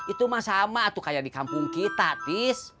itu mah sama tuh kayak di kampung kita tis